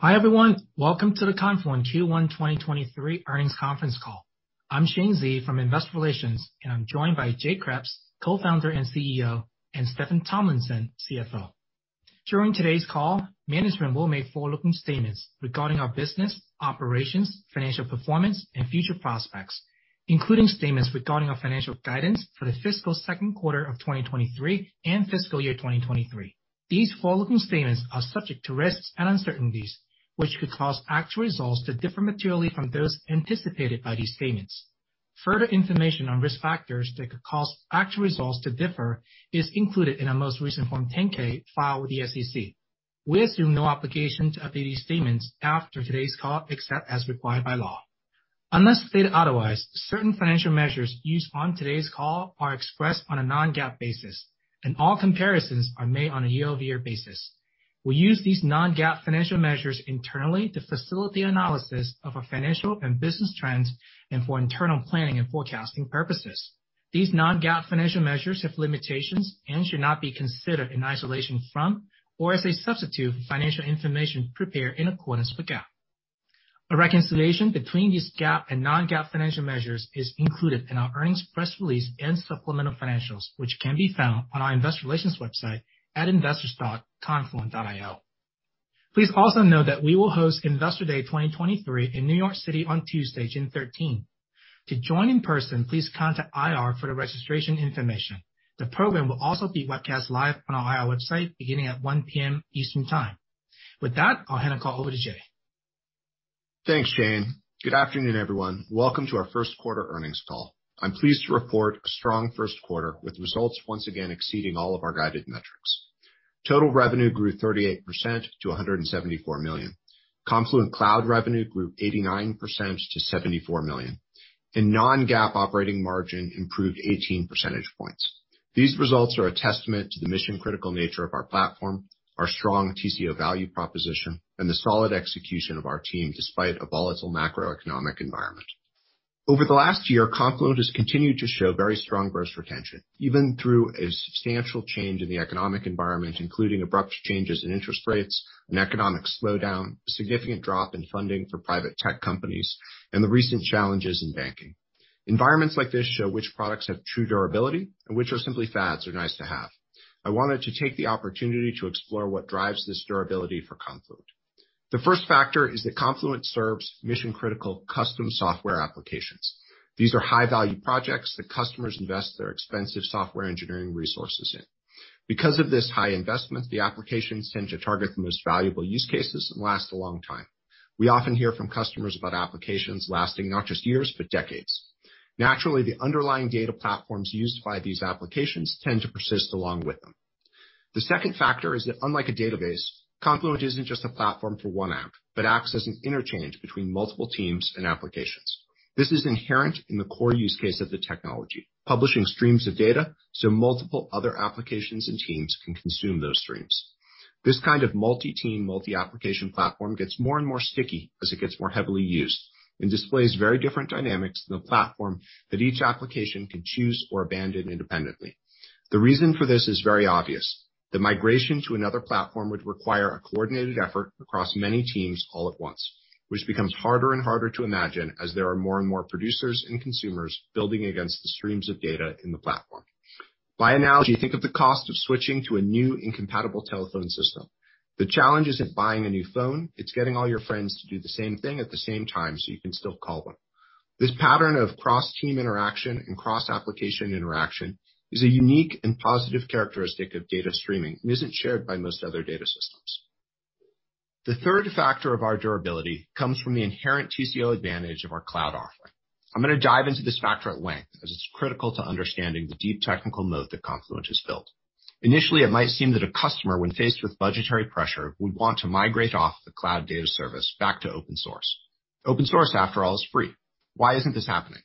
Hi, everyone. Welcome to the Confluent Q1`` 2023 earnings conference call. I'm Shane Xie from Investor Relations. I'm joined by Jay Kreps, Co-founder and CEO, and Steffan Tomlinson, CFO. During today's call, management will make forward-looking statements regarding our business, operations, financial performance, and future prospects, including statements regarding our financial guidance for the fiscal second quarter of 2023 and fiscal year 2023. These forward-looking statements are subject to risks and uncertainties, which could cause actual results to differ materially from those anticipated by these statements. Further information on risk factors that could cause actual results to differ is included in our most recent Form 10-K filed with the SEC. We assume no obligation to update these statements after today's call except as required by law. Unless stated otherwise, certain financial measures used on today's call are expressed on a non-GAAP basis, and all comparisons are made on a year-over-year basis. We use these non-GAAP financial measures internally to facilitate analysis of our financial and business trends and for internal planning and forecasting purposes. These non-GAAP financial measures have limitations and should not be considered in isolation from or as a substitute for financial information prepared in accordance with GAAP. A reconciliation between these GAAP and non-GAAP financial measures is included in our earnings press release and supplemental financials, which can be found on our investor relations website at investors.confluent.io. Please also note that we will host Investor Day 2023 in New York City on Tuesday, June 13. To join in person, please contact IR for the registration information. The program will also be webcast live on our IR website beginning at 1:00 P.M. Eastern Time. With that, I'll hand the call over to Jay. Thanks, Shane. Good afternoon, everyone. Welcome to our first quarter earnings call. I'm pleased to report a strong first quarter with results once again exceeding all of our guided metrics. Total revenue grew 38% to $174 million. Confluent Cloud revenue grew 89% to $74 million. non-GAAP operating margin improved 18 percentage points. These results are a testament to the mission-critical nature of our platform, our strong TCO value proposition, and the solid execution of our team despite a volatile macroeconomic environment. Over the last year, Confluent has continued to show very strong gross retention, even through a substantial change in the economic environment, including abrupt changes in interest rates and economic slowdown, significant drop in funding for private tech companies, and the recent challenges in banking. Environments like this show which products have true durability and which are simply fads or nice to have. I wanted to take the opportunity to explore what drives this durability for Confluent. The first factor is that Confluent serves mission-critical custom software applications. These are high-value projects that customers invest their expensive software engineering resources in. Because of this high investment, the applications tend to target the most valuable use cases and last a long time. We often hear from customers about applications lasting not just years, but decades. Naturally, the underlying data platforms used by these applications tend to persist along with them. The second factor is that unlike a database, Confluent isn't just a platform for one app, but acts as an interchange between multiple teams and applications. This is inherent in the core use case of the technology, publishing streams of data so multiple other applications and teams can consume those streams. This kind of multi-team, multi-application platform gets more and more sticky as it gets more heavily used and displays very different dynamics than a platform that each application can choose or abandon independently. The reason for this is very obvious. The migration to another platform would require a coordinated effort across many teams all at once, which becomes harder and harder to imagine as there are more and more producers and consumers building against the streams of data in the platform. By analogy, think of the cost of switching to a new incompatible telephone system. The challenge isn't buying a new phone, it's getting all your friends to do the same thing at the same time so you can still call them. This pattern of cross-team interaction and cross-application interaction is a unique and positive characteristic of data streaming and isn't shared by most other data systems. The third factor of our durability comes from the inherent TCO advantage of our cloud offering. I'm gonna dive into this factor at length as it's critical to understanding the deep technical moat that Confluent has built. Initially, it might seem that a customer when faced with budgetary pressure would want to migrate off the cloud data service back to open source. Open source, after all, is free. Why isn't this happening?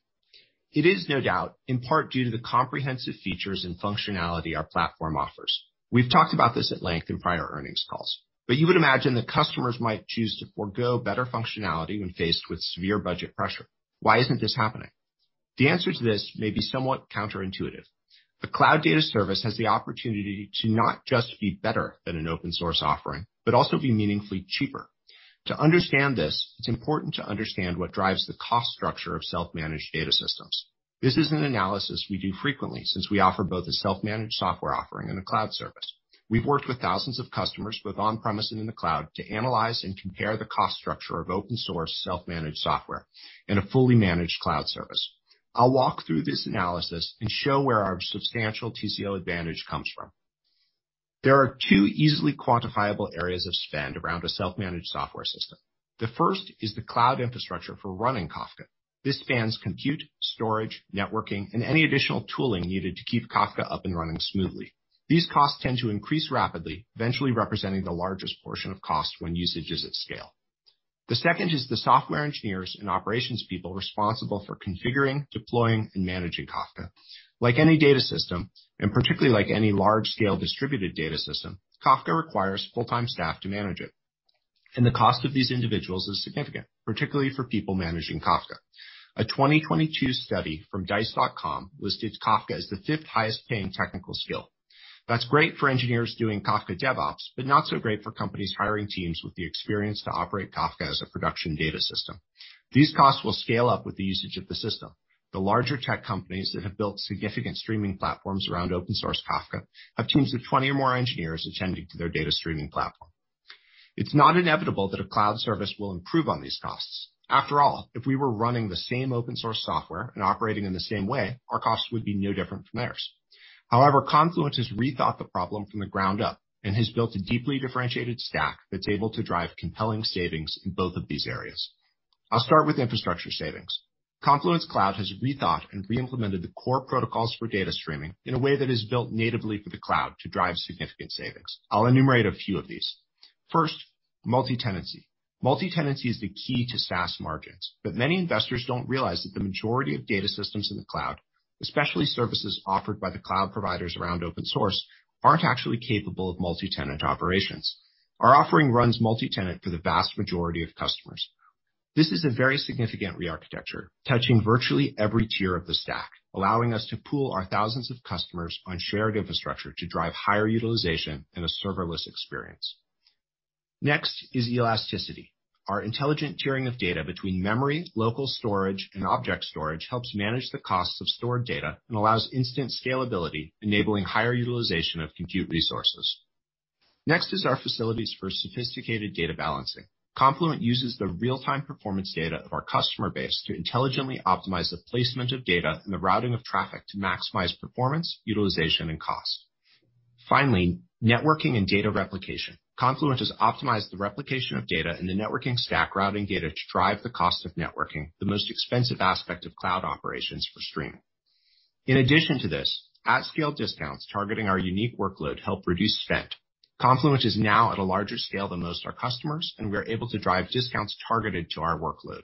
It is no doubt in part due to the comprehensive features and functionality our platform offers. We've talked about this at length in prior earnings calls. You would imagine that customers might choose to forego better functionality when faced with severe budget pressure. Why isn't this happening? The answer to this may be somewhat counterintuitive. The cloud data service has the opportunity to not just be better than an open-source offering, but also be meaningfully cheaper. To understand this, it's important to understand what drives the cost structure of self-managed data systems. This is an analysis we do frequently since we offer both a self-managed software offering and a cloud service. We've worked with thousands of customers, both on-premises and in the cloud, to analyze and compare the cost structure of open source self-managed software and a fully managed cloud service. I'll walk through this analysis and show where our substantial TCO advantage comes from. There are two easily quantifiable areas of spend around a self-managed software system. The first is the cloud infrastructure for running Kafka. This spans compute, storage, networking, and any additional tooling needed to keep Kafka up and running smoothly. These costs tend to increase rapidly, eventually representing the largest portion of cost when usage is at scale. The second is the software engineers and operations people responsible for configuring, deploying, and managing Kafka. Like any data system, and particularly like any large scale distributed data system, Kafka requires full-time staff to manage it. The cost of these individuals is significant, particularly for people managing Kafka. A 2022 study from Dice.com listed Kafka as the 5th highest paying technical skill. That's great for engineers doing Kafka DevOps, but not so great for companies hiring teams with the experience to operate Kafka as a production data system. These costs will scale up with the usage of the system. The larger tech companies that have built significant streaming platforms around open source Kafka have teams of 20 or more engineers attending to their data streaming platform. It's not inevitable that a cloud service will improve on these costs. After all, if we were running the same open source software and operating in the same way, our costs would be no different from theirs. However, Confluent has rethought the problem from the ground up and has built a deeply differentiated stack that's able to drive compelling savings in both of these areas. I'll start with infrastructure savings. Confluent's Cloud has rethought and reimplemented the core protocols for data streaming in a way that is built natively for the cloud to drive significant savings. I'll enumerate a few of these. First, multi-tenancy. Multi-tenancy is the key to SaaS margins, but many investors don't realize that the majority of data systems in the cloud, especially services offered by the cloud providers around open source, aren't actually capable of multi-tenant operations. Our offering runs multi-tenant for the vast majority of customers. This is a very significant re-architecture, touching virtually every tier of the stack, allowing us to pool our thousands of customers on shared infrastructure to drive higher utilization and a serverless experience. Next is elasticity. Our intelligent tiering of data between memory, local storage, and object storage helps manage the costs of stored data and allows instant scalability, enabling higher utilization of compute resources. Next is our facilities for sophisticated data balancing. Confluent uses the real-time performance data of our customer base to intelligently optimize the placement of data and the routing of traffic to maximize performance, utilization, and cost. Finally, networking and data replication. Confluent has optimized the replication of data in the networking stack, routing data to drive the cost of networking, the most expensive aspect of cloud operations for streaming. In addition to this, at-scale discounts targeting our unique workload help reduce spend. Confluent is now at a larger scale than most of our customers, and we are able to drive discounts targeted to our workload.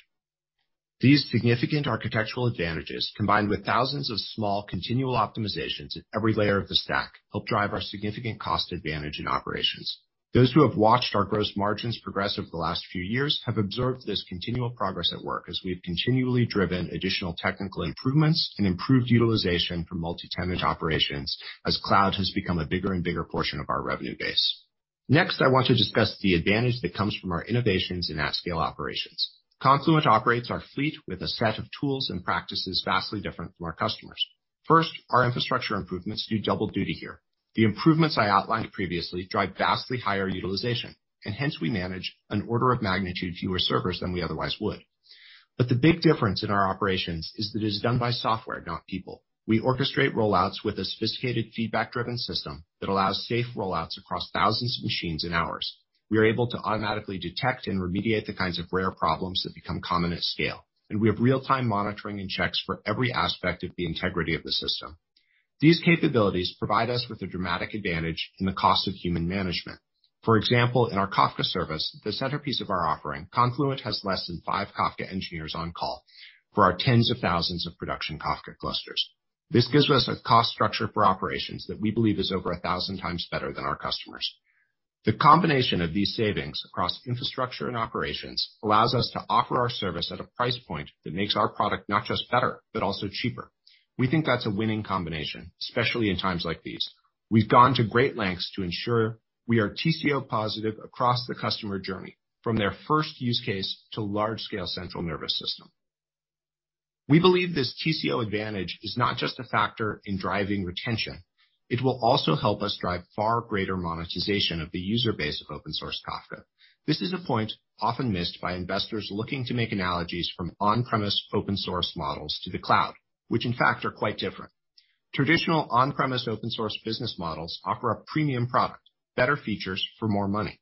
These significant architectural advantages, combined with thousands of small continual optimizations at every layer of the stack, help drive our significant cost advantage in operations. Those who have watched our gross margins progress over the last few years have observed this continual progress at work as we have continually driven additional technical improvements and improved utilization from multi-tenant operations as cloud has become a bigger and bigger portion of our revenue base. Next, I want to discuss the advantage that comes from our innovations in at-scale operations. Confluent operates our fleet with a set of tools and practices vastly different from our customers. First, our infrastructure improvements do double duty here. The improvements I outlined previously drive vastly higher utilization, and hence we manage an order of magnitude fewer servers than we otherwise would. The big difference in our operations is that it is done by software, not people. We orchestrate rollouts with a sophisticated feedback-driven system that allows safe rollouts across 1,000s of machines and hours. We are able to automatically detect and remediate the kinds of rare problems that become common at scale, and we have real-time monitoring and checks for every aspect of the integrity of the system. These capabilities provide us with a dramatic advantage in the cost of human management. For example, in our Kafka service, the centerpiece of our offering, Confluent has less than 5 Kafka engineers on call for our 10,000s of production Kafka clusters. This gives us a cost structure for operations that we believe is over 1,000 times better than our customers. The combination of these savings across infrastructure and operations allows us to offer our service at a price point that makes our product not just better, but also cheaper. We think that's a winning combination, especially in times like these. We've gone to great lengths to ensure we are TCO positive across the customer journey, from their first use case to large scale central nervous system. We believe this TCO advantage is not just a factor in driving retention. It will also help us drive far greater monetization of the user base of open source Kafka. This is a point often missed by investors looking to make analogies from on-premises open source models to the cloud, which in fact are quite different. Traditional on-premise open source business models offer a premium product, better features for more money.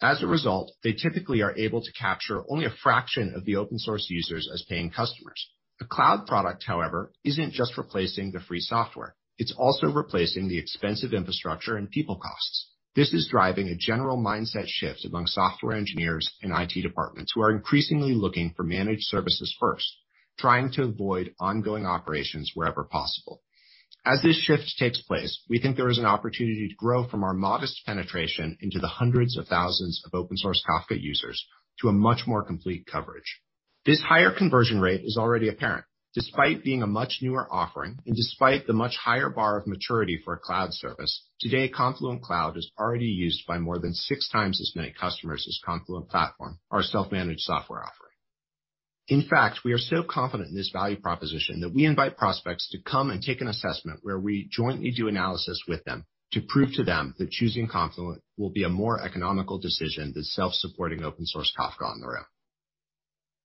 As a result, they typically are able to capture only a fraction of the open source users as paying customers. A cloud product, however, isn't just replacing the free software. It's also replacing the expensive infrastructure and people costs. This is driving a general mindset shift among software engineers and IT departments who are increasingly looking for managed services first, trying to avoid ongoing operations wherever possible. As this shift takes place, we think there is an opportunity to grow from our modest penetration into the hundreds of thousands of open source Kafka users to a much more complete coverage. This higher conversion rate is already apparent. Despite being a much newer offering and despite the much higher bar of maturity for a cloud service, today Confluent Cloud is already used by more than six times as many customers as Confluent Platform, our self-managed software offering. In fact, we are so confident in this value proposition that we invite prospects to come and take an assessment where we jointly do analysis with them to prove to them that choosing Confluent will be a more economical decision than self-supporting open source Kafka on their own.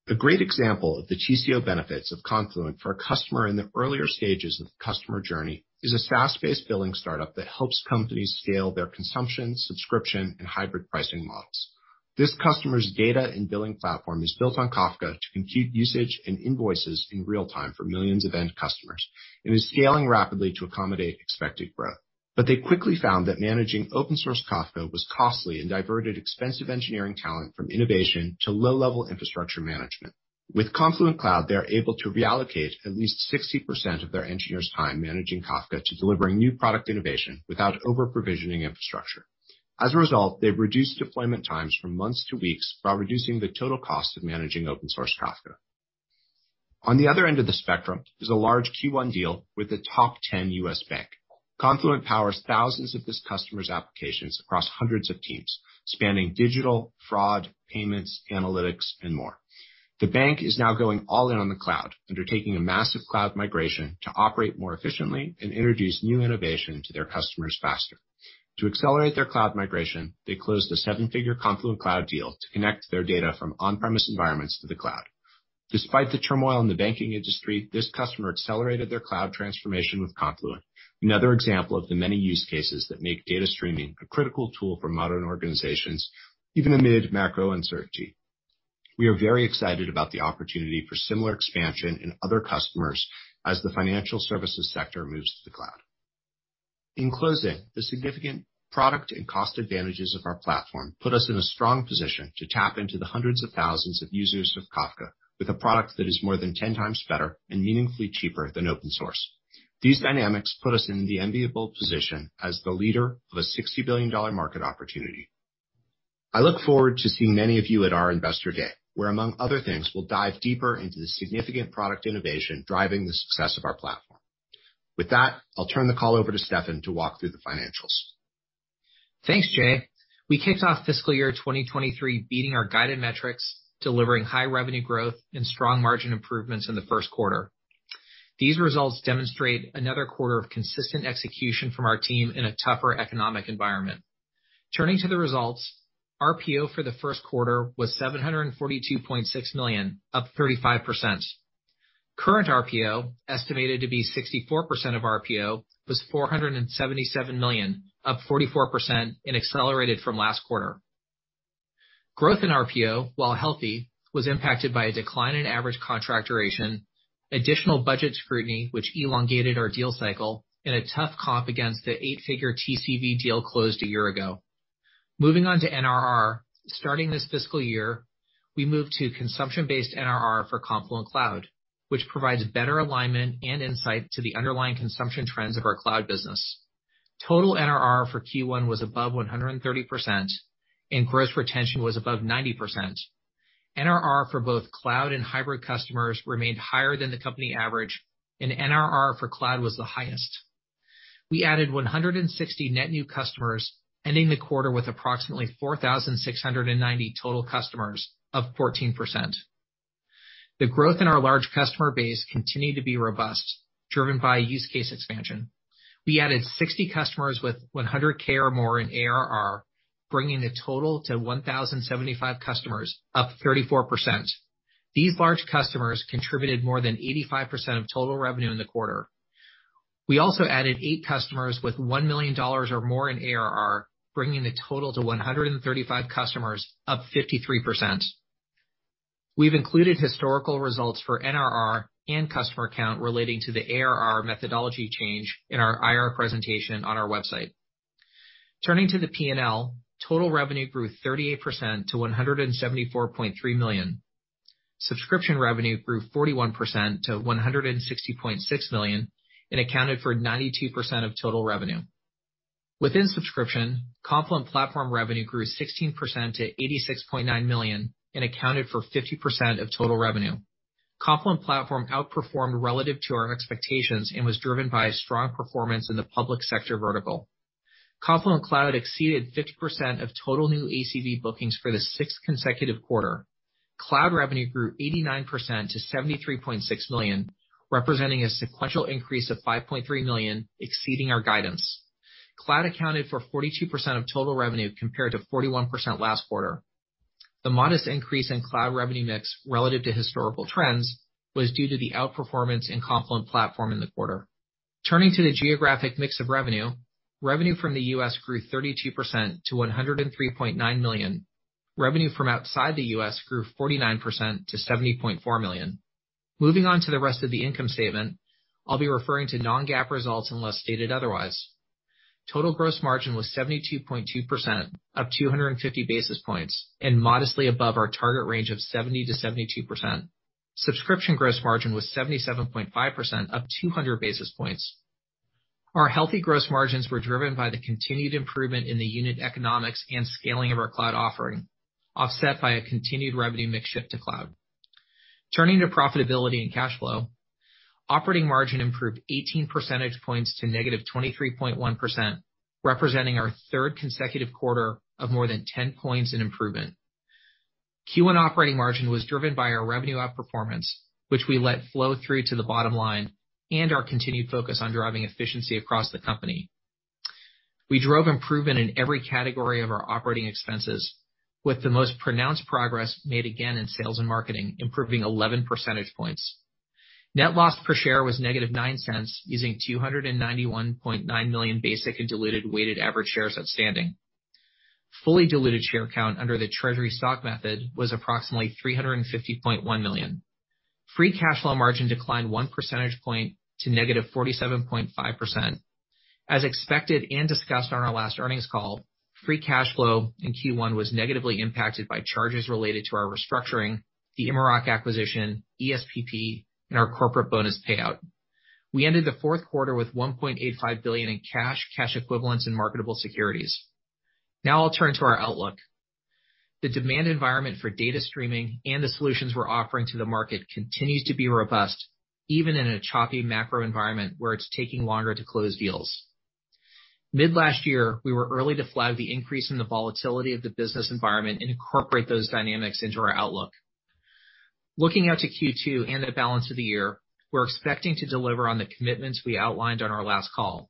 A great example of the TCO benefits of Confluent for a customer in the earlier stages of the customer journey is a SaaS-based billing startup that helps companies scale their consumption, subscription, and hybrid pricing models. This customer's data and billing platform is built on Kafka to compute usage and invoices in real time for millions of end customers and is scaling rapidly to accommodate expected growth. They quickly found that managing open source Kafka was costly and diverted expensive engineering talent from innovation to low-level infrastructure management. With Confluent Cloud, they are able to reallocate at least 60% of their engineers' time managing Kafka to delivering new product innovation without over-provisioning infrastructure. As a result, they've reduced deployment times from months to weeks, while reducing the total cost of managing open source Kafka. On the other end of the spectrum is a large Q1 deal with a top 10 U.S. bank. Confluent powers thousands of this customer's applications across hundreds of teams, spanning digital, fraud, payments, analytics and more. The bank is now going all in on the cloud, undertaking a massive cloud migration to operate more efficiently and introduce new innovation to their customers faster. To accelerate their cloud migration, they closed a seven-figure Confluent Cloud deal to connect their data from on-premise environments to the cloud. Despite the turmoil in the banking industry, this customer accelerated their cloud transformation with Confluent. Another example of the many use cases that make data streaming a critical tool for modern organizations, even amid macro uncertainty. We are very excited about the opportunity for similar expansion in other customers as the financial services sector moves to the cloud. In closing, the significant product and cost advantages of our platform put us in a strong position to tap into the hundreds of thousands of users of Kafka with a product that is more than 10 times better and meaningfully cheaper than open source. These dynamics put us in the enviable position as the leader of a $60 billion market opportunity. I look forward to seeing many of you at our investor day, where, among other things, we'll dive deeper into the significant product innovation driving the success of our platform. With that, I'll turn the call over to Steffan to walk through the financials. Thanks, Jay. We kicked off fiscal year 2023 beating our guided metrics, delivering high revenue growth and strong margin improvements in the first quarter. These results demonstrate another quarter of consistent execution from our team in a tougher economic environment. Turning to the results, RPO for the first quarter was $742.6 million, up 35%. Current RPO, estimated to be 64% of RPO, was $477 million, up 44% and accelerated from last quarter. Growth in RPO, while healthy, was impacted by a decline in average contract duration, additional budget scrutiny, which elongated our deal cycle, and a tough comp against the eight-figure TCV deal closed a year ago. Moving on to NRR. Starting this fiscal year, we moved to consumption-based NRR for Confluent Cloud, which provides better alignment and insight to the underlying consumption trends of our cloud business. Total NRR for Q1 was above 130% and gross retention was above 90%. NRR for both cloud and hybrid customers remained higher than the company average, and NRR for cloud was the highest. We added 160 net new customers, ending the quarter with approximately 4,690 total customers, up 14%. The growth in our large customer base continued to be robust, driven by use case expansion. We added 60 customers with $100K or more in ARR, bringing the total to 1,075 customers, up 34%. These large customers contributed more than 85% of total revenue in the quarter. We also added 8 customers with $1 million or more in ARR, bringing the total to 135 customers, up 53%. We've included historical results for NRR and customer count relating to the ARR methodology change in our IR presentation on our website. Turning to the P&L. Total revenue grew 38% to $174.3 million. Subscription revenue grew 41% to $160.6 million and accounted for 92% of total revenue. Within subscription, Confluent Platform revenue grew 16% to $86.9 million and accounted for 50% of total revenue. Confluent Platform outperformed relative to our expectations and was driven by a strong performance in the public sector vertical. Confluent Cloud exceeded 50% of total new ACV bookings for the sixth consecutive quarter. Cloud revenue grew 89% to $73.6 million, representing a sequential increase of $5.3 million, exceeding our guidance. Cloud accounted for 42% of total revenue, compared to 41% last quarter. The modest increase in cloud revenue mix relative to historical trends was due to the outperformance in Confluent Platform in the quarter. Turning to the geographic mix of revenue. Revenue from the U.S. grew 32% to $103.9 million. Revenue from outside the U.S. grew 49% to $70.4 million. Moving on to the rest of the income statement, I'll be referring to non-GAAP results unless stated otherwise. Total gross margin was 72.2%, up 250 basis points and modestly above our target range of 70%-72%. Subscription gross margin was 77.5%, up 200 basis points. Our healthy gross margins were driven by the continued improvement in the unit economics and scaling of our cloud offering, offset by a continued revenue mix shift to cloud. Turning to profitability and cash flow. Operating margin improved 18 percentage points to negative 23.1%, representing our third consecutive quarter of more than 10 points in improvement. Q1 operating margin was driven by our revenue outperformance, which we let flow through to the bottom line and our continued focus on driving efficiency across the company. We drove improvement in every category of our operating expenses, with the most pronounced progress made again in sales and marketing, improving 11 percentage points. Net loss per share was negative $0.09, using 291.9 million basic and diluted weighted average shares outstanding. Fully diluted share count under the treasury stock method was approximately $350.1 million. Free cash flow margin declined 1 percentage point to negative 47.5%. As expected and discussed on our last earnings call, free cash flow in Q1 was negatively impacted by charges related to our restructuring, the Immerok acquisition, ESPP, and our corporate bonus payout. We ended the fourth quarter with $1.85 billion in cash equivalents, and marketable securities. I'll turn to our outlook. The demand environment for data streaming and the solutions we're offering to the market continues to be robust, even in a choppy macro environment where it's taking longer to close deals. Mid last year, we were early to flag the increase in the volatility of the business environment and incorporate those dynamics into our outlook. Looking out to Q2 and the balance of the year, we're expecting to deliver on the commitments we outlined on our last call.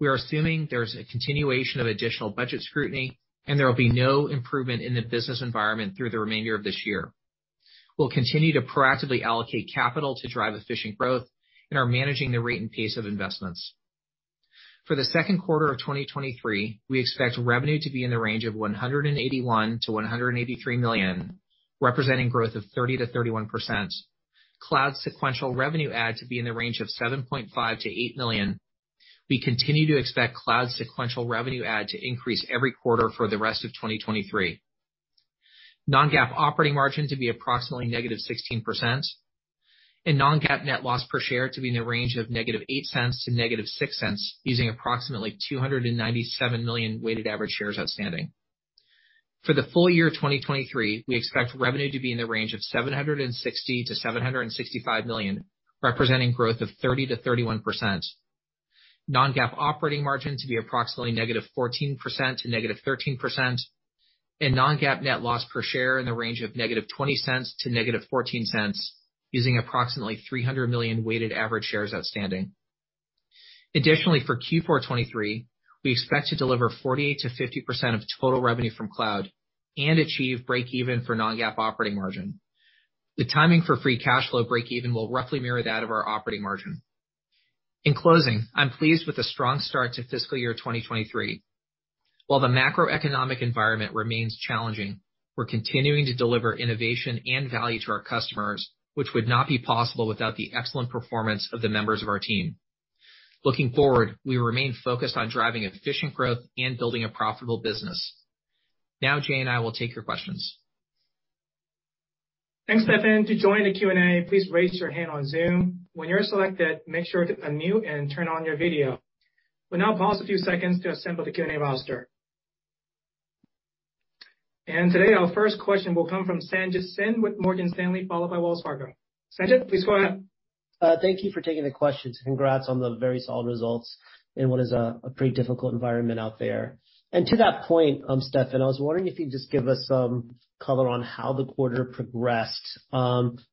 We are assuming there's a continuation of additional budget scrutiny, and there will be no improvement in the business environment through the remainder of this year. We'll continue to proactively allocate capital to drive efficient growth and are managing the rate and pace of investments. For the 2nd quarter of 2023, we expect revenue to be in the range of $181 million-$183 million, representing growth of 30%-31%. Cloud sequential revenue add to be in the range of $7.5 million-$8 million. We continue to expect cloud sequential revenue add to increase every quarter for the rest of 2023. Non-GAAP operating margin to be approximately -16% and non-GAAP net loss per share to be in the range of negative $0.08 to -$0.06, using approximately 297 million weighted average shares outstanding. For the full year 2023, we expect revenue to be in the range of $760 million-$765 million, representing growth of 30%-31%. Non-GAAP operating margin to be approximately negative 14% to -13%, and non-GAAP net loss per share in the range of -$0.20 to -$0.14, using approximately 300 million weighted average shares outstanding. Additionally, for Q4 2023, we expect to deliver 48%-50% of total revenue from cloud and achieve break even for non-GAAP operating margin. The timing for free cash flow break even will roughly mirror that of our operating margin. In closing, I'm pleased with the strong start to fiscal year 2023. While the macroeconomic environment remains challenging, we're continuing to deliver innovation and value to our customers, which would not be possible without the excellent performance of the members of our team. Looking forward, we remain focused on driving efficient growth and building a profitable business. Now Jay and I will take your questions. Thanks, Steffan. To join the Q&A, please raise your hand on Zoom. When you're selected, make sure to unmute and turn on your video. We'll now pause a few seconds to assemble the Q&A roster. Today our first question will come from Sanjit Singh with Morgan Stanley, followed by Wells Fargo. Sanjit, please go ahead. Thank you for taking the questions. Congrats on the very solid results in what is a pretty difficult environment out there. To that point, Steffan, I was wondering if you'd just give us some color on how the quarter progressed,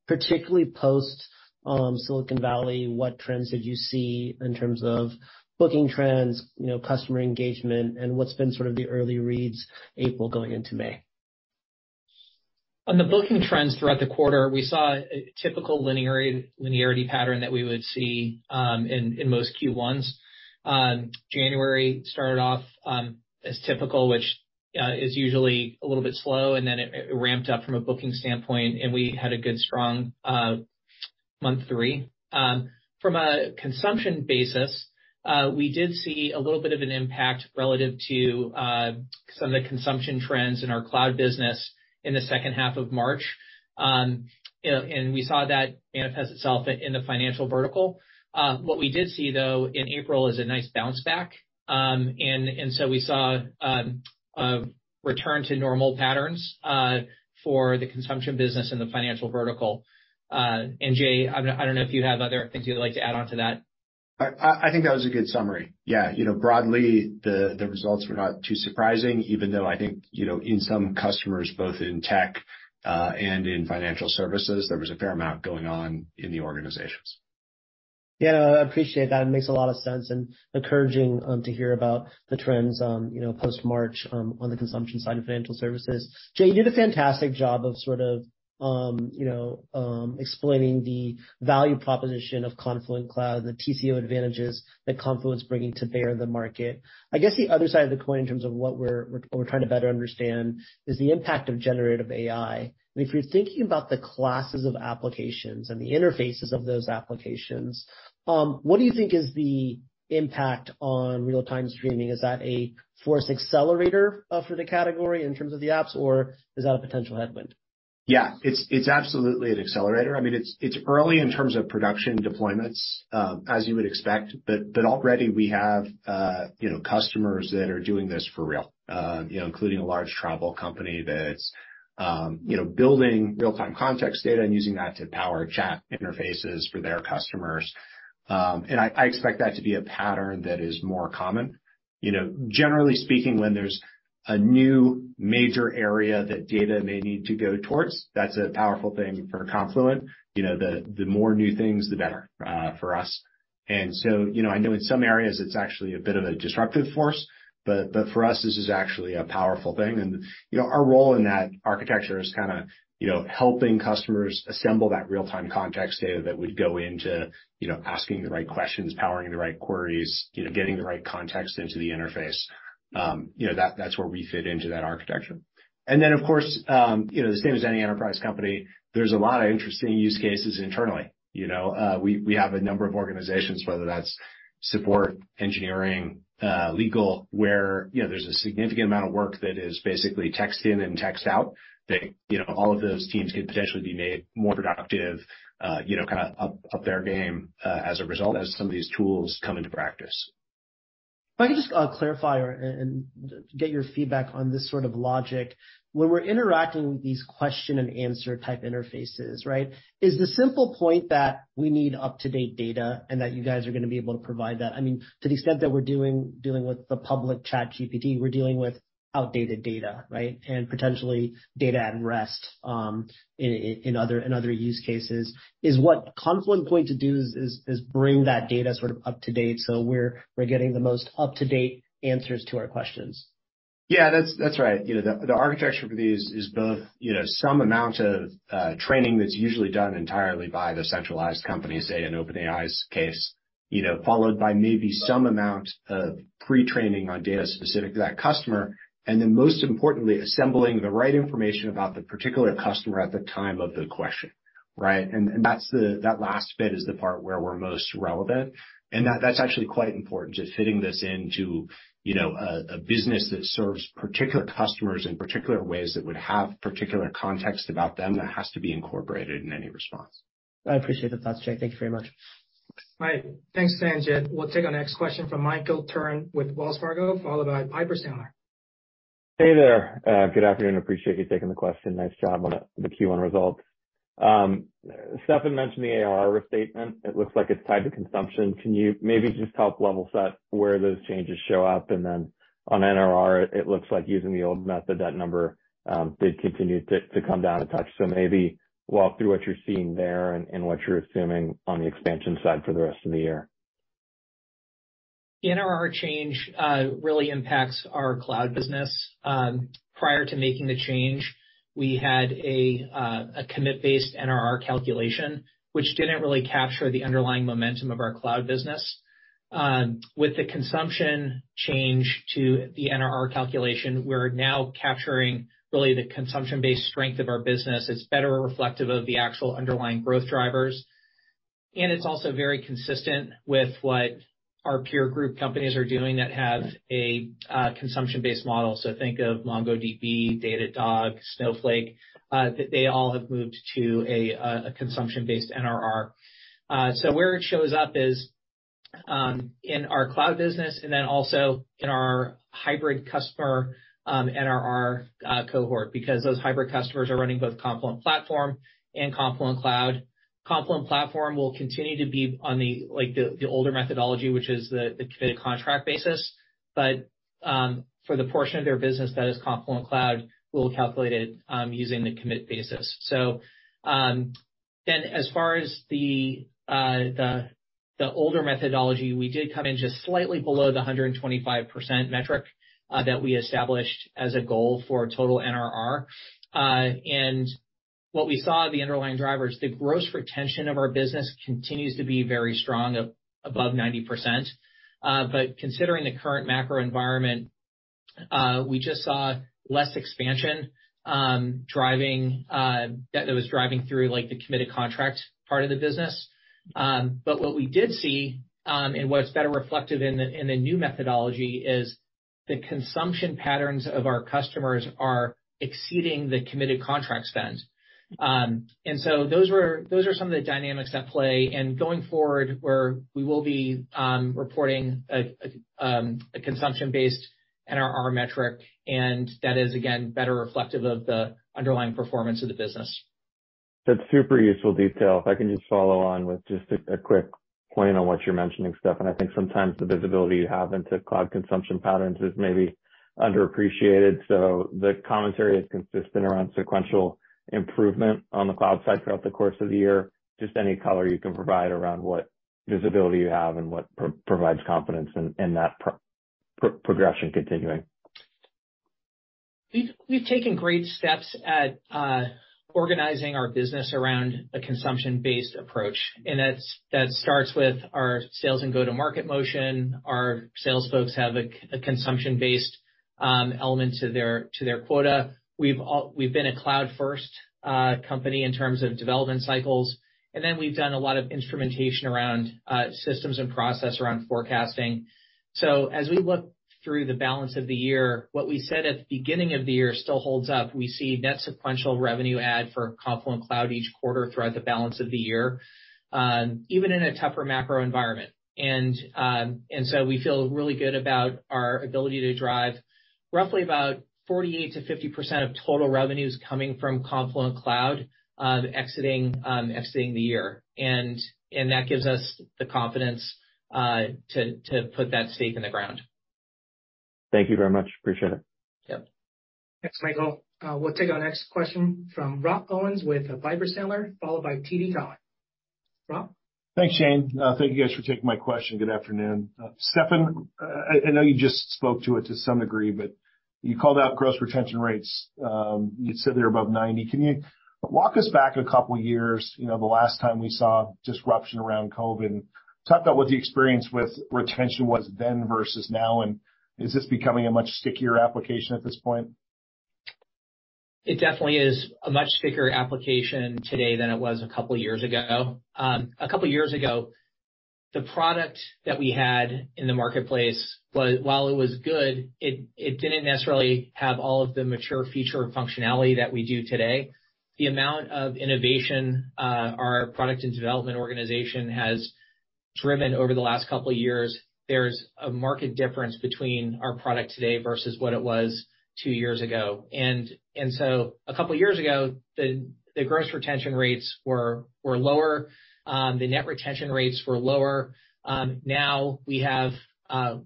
particularly post Silicon Valley. What trends did you see in terms of booking trends, you know, customer engagement, and what's been sort of the early reads April going into May? On the booking trends throughout the quarter, we saw a typical linear-linearity pattern that we would see in most Q1s. January started off as typical, which is usually a little bit slow, and then it ramped up from a booking standpoint, and we had a good strong month three. From a consumption basis, we did see a little bit of an impact relative to some of the consumption trends in our cloud business in the second half of March. You know, and we saw that manifest itself in the financial vertical. What we did see though in April is a nice bounce back. We saw a return to normal patterns for the consumption business in the financial vertical. Jay, I don't know if you have other things you'd like to add on to that. I think that was a good summary. Yeah. You know, broadly, the results were not too surprising, even though I think, you know, in some customers, both in tech and in financial services, there was a fair amount going on in the organizations. Yeah, I appreciate that. It makes a lot of sense and encouraging, you know, to hear about the trends, you know, post-March, on the consumption side of financial services. Jay, you did a fantastic job of sort of, you know, explaining the value proposition of Confluent Cloud and the TCO advantages that Confluent is bringing to bear the market. I guess the other side of the coin in terms of what we're trying to better understand is the impact of generative AI. If you're thinking about the classes of applications and the interfaces of those applications, what do you think is the impact on real-time streaming? Is that a forced accelerator for the category in terms of the apps, or is that a potential headwind? Yeah. It's absolutely an accelerator. I mean, it's early in terms of production deployments, as you would expect, but already we have, you know, customers that are doing this for real. You know, including a large travel company that's, you know, building real-time context data and using that to power chat interfaces for their customers. I expect that to be a pattern that is more common. You know, generally speaking, when there's a new major area that data may need to go towards, that's a powerful thing for Confluent. You know, the more new things, the better for us. I know in some areas it's actually a bit of a disruptive force, but for us, this is actually a powerful thing. You know, our role in that architecture is kinda, you know, helping customers assemble that real-time context data that would go into, you know, asking the right questions, powering the right queries, you know, getting the right context into the interface. You know, that's where we fit into that architecture. Of course, you know, the same as any enterprise company, there's a lot of interesting use cases internally. You know, we have a number of organizations, whether that's support, engineering, legal, where, you know, there's a significant amount of work that is basically text in and text out, that, you know, all of those teams could potentially be made more productive, you know, kind of up their game, as a result as some of these tools come into practice. If I could just clarify and get your feedback on this sort of logic. When we're interacting with these question and answer type interfaces, right? Is the simple point that we need up-to-date data and that you guys are gonna be able to provide that. I mean, to the extent that we're dealing with the public ChatGPT, we're dealing with outdated data, right? Potentially data at rest in other use cases. Is what Confluent going to do is bring that data sort of up to date so we're getting the most up-to-date answers to our questions? Yeah, that's right. you know, the architecture for these is both, you know, some amount of training that's usually done entirely by the centralized company, say an OpenAI's case, you know, followed by maybe some amount of pre-training on data specific to that customer. Then most importantly, assembling the right information about the particular customer at the time of the question, right? That last bit is the part where we're most relevant, and that's actually quite important. Just fitting this into, you know, a business that serves particular customers in particular ways that would have particular context about them that has to be incorporated in any response. I appreciate the thoughts, Jay. Thank you very much. All right. Thanks, Sanjit. We'll take our next question from Michael Turrin with Wells Fargo, followed by Piper Sandler. Hey there. Good afternoon. Appreciate you taking the question. Nice job on the Q1 results. Steffan mentioned the ARR restatement. It looks like it's tied to consumption. Maybe just help level set where those changes show up? On NRR, it looks like using the old method, that number did continue to come down a touch. Maybe walk through what you're seeing there and what you're assuming on the expansion side for the rest of the year. The NRR change really impacts our cloud business. Prior to making the change, we had a commit-based NRR calculation, which didn't really capture the underlying momentum of our cloud business. With the consumption change to the NRR calculation, we're now capturing really the consumption-based strength of our business. It's better reflective of the actual underlying growth drivers, and it's also very consistent with what our peer group companies are doing that have a consumption-based model. Think of MongoDB, Datadog, Snowflake, they all have moved to a consumption-based NRR. Where it shows up is in our cloud business and then also in our hybrid customer NRR cohort, because those hybrid customers are running both Confluent Platform and Confluent Cloud. Confluent Platform will continue to be on the older methodology, which is the committed contract basis. For the portion of their business that is Confluent Cloud, we'll calculate it using the commit basis. As far as the older methodology, we did come in just slightly below the 125% metric that we established as a goal for total NRR. What we saw in the underlying drivers, the gross retention of our business continues to be very strong, above 90%. Considering the current macro environment, we just saw less expansion driving that was driving through the committed contract part of the business. What we did see, and what's better reflected in the new methodology is the consumption patterns of our customers are exceeding the committed contract spend. Those are some of the dynamics at play. Going forward, we will be reporting a consumption-based NRR metric, and that is, again, better reflective of the underlying performance of the business. That's super useful detail. If I can just follow on with just a quick point on what you're mentioning, Steffan. I think sometimes the visibility you have into cloud consumption patterns is maybe underappreciated. The commentary is consistent around sequential improvement on the cloud side throughout the course of the year. Just any color you can provide around what visibility you have and what provides confidence in that progression continuing? We've taken great steps at organizing our business around a consumption-based approach, and that starts with our sales and go-to-market motion. Our sales folks have a consumption-based element to their quota. We've been a cloud first company in terms of development cycles, and then we've done a lot of instrumentation around systems and process around forecasting. As we look through the balance of the year, what we said at the beginning of the year still holds up. We see net sequential revenue add for Confluent Cloud each quarter throughout the balance of the year, even in a tougher macro environment. We feel really good about our ability to drive roughly about 48%-50% of total revenues coming from Confluent Cloud, exiting the year. That gives us the confidence to put that stake in the ground. Thank you very much. Appreciate it. Yep. Thanks, Michael. We'll take our next question from Rob Owens with Piper Sandler, followed by TD Cowen. Rob? Thanks, Shane. Thank you guys for taking my question. Good afternoon. Steffan, I know you just spoke to it to some degree, but you called out gross retention rates. You said they're above 90. Can you walk us back a couple years, you know, the last time we saw disruption around COVID, and talk about what the experience with retention was then versus now, and is this becoming a much stickier application at this point? It definitely is a much stickier application today than it was a couple years ago. A couple years ago, the product that we had in the marketplace was while it was good, it didn't necessarily have all of the mature feature functionality that we do today. The amount of innovation, our product and development organization has driven over the last couple years, there's a marked difference between our product today versus what it was two years ago. A couple years ago, the gross retention rates were lower. The net retention rates were lower. Now we have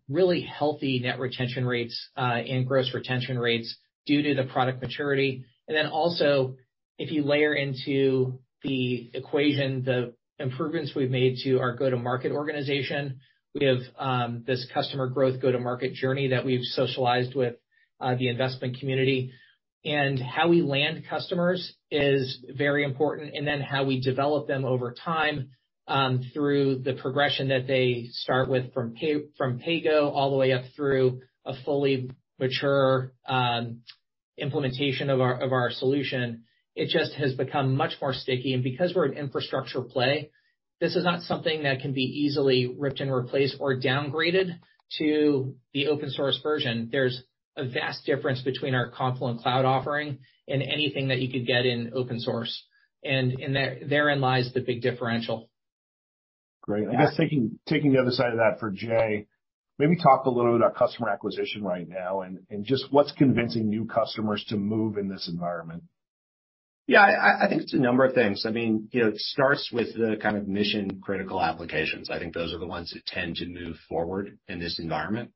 really healthy net retention rates, and gross retention rates due to the product maturity. Then also, if you layer into the equation the improvements we've made to our go-to-market organization, we have this customer growth go-to-market journey that we've socialized with the investment community. How we land customers is very important, and then how we develop them over time through the progression that they start with from paygo all the way up through a fully mature implementation of our solution. It just has become much more sticky. Because we're an infrastructure play, this is not something that can be easily ripped and replaced or downgraded to the open source version. There's a vast difference between our Confluent Cloud offering and anything that you could get in open source. In therein lies the big differential. Great. I guess taking the other side of that for Jay, maybe talk a little about customer acquisition right now and just what's convincing new customers to move in this environment. Yeah. I think it's a number of things. I mean, you know, it starts with the kind of mission-critical applications. I think those are the ones that tend to move forward in this environment.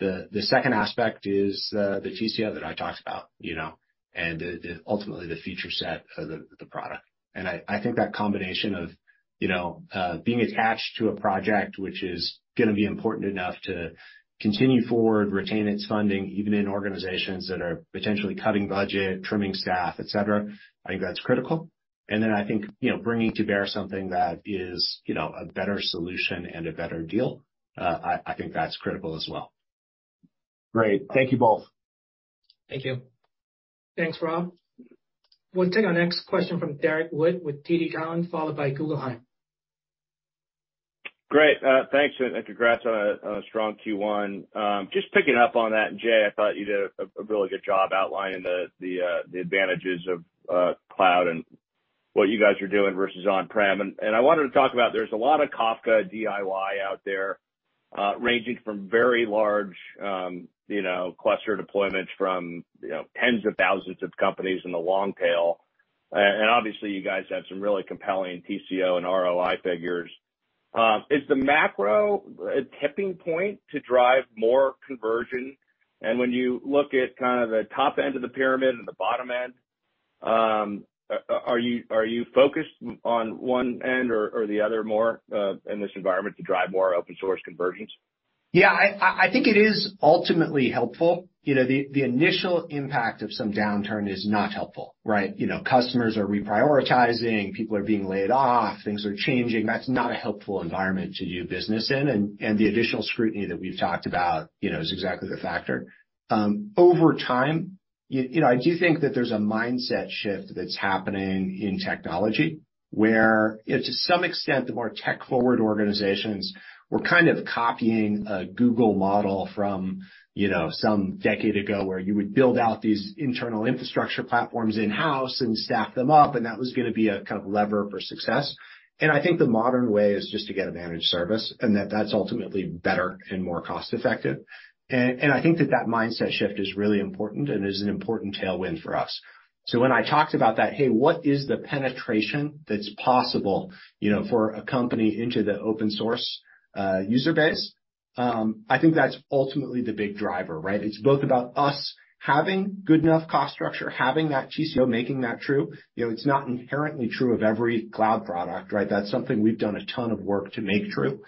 The second aspect is the TCO that I talked about, you know, and ultimately the feature set of the product. I think that combination of, you know, being attached to a project which is gonna be important enough to continue forward, retain its funding, even in organizations that are potentially cutting budget, trimming staff, et cetera, I think that's critical. I think, you know, bringing to bear something that is, you know, a better solution and a better deal, I think that's critical as well. Great. Thank you both. Thank you. Thanks, Rob. We'll take our next question from Derrick Wood with TD Cowen, followed by Guggenheim. Great. Thanks, and congrats on a strong Q1. Just picking up on that, Jay, I thought you did a really good job outlining the advantages of cloud and what you guys are doing versus on-prem. I wanted to talk about, there's a lot of Kafka DIY out there, ranging from very large cluster deployments from tens of thousands of companies in the long tail. Obviously you guys have some really compelling TCO and ROI figures. Is the macro a tipping point to drive more conversion? When you look at kind of the top end of the pyramid and the bottom end, are you focused on one end or the other more in this environment to drive more open source conversions? Yeah. I think it is ultimately helpful. You know, the initial impact of some downturn is not helpful, right? You know, customers are reprioritizing, people are being laid off, things are changing. That's not a helpful environment to do business in, and the additional scrutiny that we've talked about, you know, is exactly the factor. Over time, you know, I do think that there's a mindset shift that's happening in technology, where, you know, to some extent, the more tech-forward organizations were kind of copying a Google model from, you know, some decade ago, where you would build out these internal infrastructure platforms in-house and staff them up, and that was gonna be a kind of lever for success. I think the modern way is just to get a managed service, and that's ultimately better and more cost effective. I think that that mindset shift is really important and is an important tailwind for us. When I talked about that, hey, what is the penetration that's possible, you know, for a company into the open source user base, I think that's ultimately the big driver, right? It's both about us having good enough cost structure, having that TCO, making that true. You know, it's not inherently true of every cloud product, right? That's something we've done a ton of work to make true.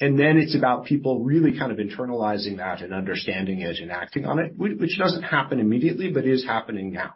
Then it's about people really kind of internalizing that and understanding it and acting on it, which doesn't happen immediately, but is happening now.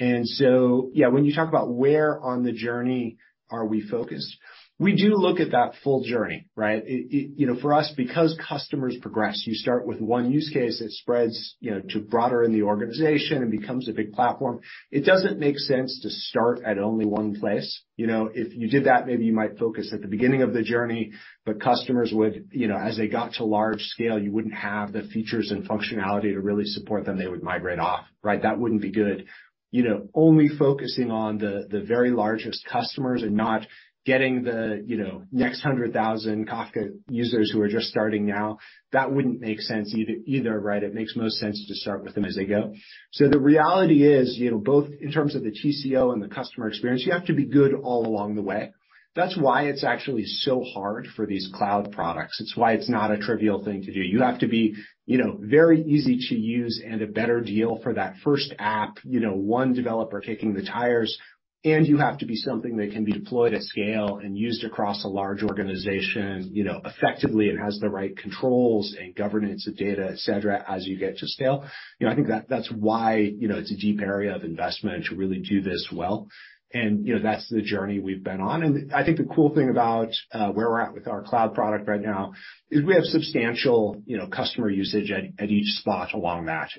Yeah, when you talk about where on the journey are we focused, we do look at that full journey, right? It, you know, for us, because customers progress, you start with one use case that spreads, you know, to broader in the organization and becomes a big platform. It doesn't make sense to start at only one place. You know, if you did that, maybe you might focus at the beginning of the journey, but customers would, you know, as they got to large scale, you wouldn't have the features and functionality to really support them. They would migrate off, right? That wouldn't be good. You know, only focusing on the very largest customers and not getting the, you know, next 100,000 Kafka users who are just starting now, that wouldn't make sense either, right? It makes most sense to start with them as they go. The reality is, you know, both in terms of the TCO and the customer experience, you have to be good all along the way. That's why it's actually so hard for these cloud products. It's why it's not a trivial thing to do. You have to be, you know, very easy to use and a better deal for that first app, you know, one developer kicking the tires. You have to be something that can be deployed at scale and used across a large organization, you know, effectively, and has the right controls and governance of data, et cetera, as you get to scale. You know, I think that's why, you know, it's a deep area of investment to really do this well. You know, that's the journey we've been on. I think the cool thing about, where we're at with our cloud product right now is we have substantial, you know, customer usage at each spot along that.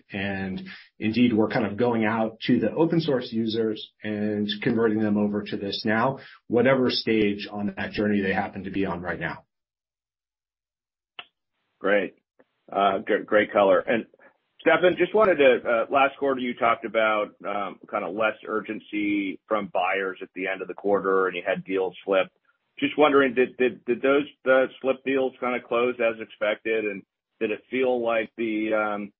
Indeed, we're kind of going out to the open source users and converting them over to this now, whatever stage on that journey they happen to be on right now. Great. Great color. Steffan, just wanted last quarter, you talked about kinda less urgency from buyers at the end of the quarter, and you had deals slip. Just wondering, did those slipped deals kinda close as expected? Did it feel like the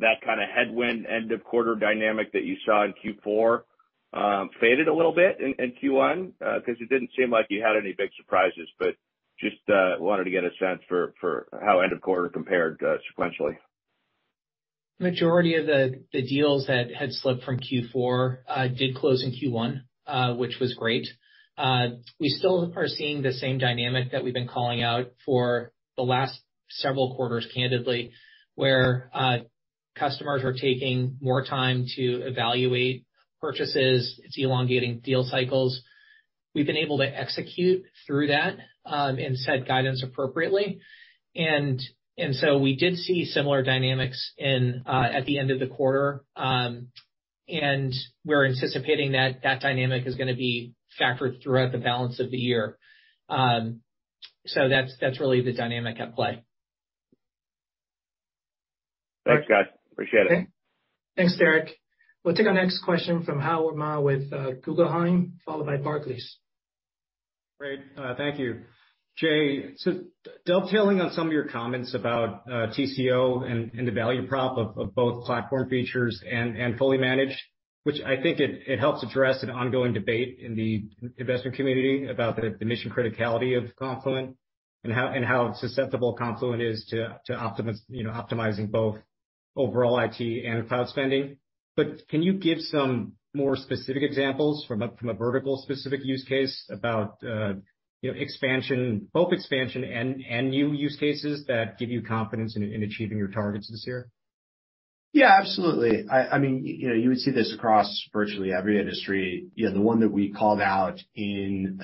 that kinda headwind end of quarter dynamic that you saw in Q4 faded a little bit in Q1? 'cause it didn't seem like you had any big surprises, but just wanted to get a sense for how end of quarter compared sequentially. Majority of the deals that had slipped from Q4 did close in Q1, which was great. We still are seeing the same dynamic that we've been calling out for the last several quarters, candidly, where customers are taking more time to evaluate purchases. It's elongating deal cycles. We've been able to execute through that, and set guidance appropriately. We did see similar dynamics at the end of the quarter, and we're anticipating that that dynamic is gonna be factored throughout the balance of the year. That's really the dynamic at play. Thanks, guys. Appreciate it. Thanks, Derrick. We'll take our next question from Howard Ma with Guggenheim, followed by Barclays. Great. Thank you. Jay, dovetailing on some of your comments about TCO and the value prop of both platform features and fully managed, which I think it helps address an ongoing debate in the investment community about the mission criticality of Confluent and how susceptible Confluent is to, you know, optimizing both overall IT and cloud spending. Can you give some more specific examples from a vertical specific use case about, you know, expansion, both expansion and new use cases that give you confidence in achieving your targets this year? Yeah, absolutely. I mean, you know, you would see this across virtually every industry. You know, the one that we called out in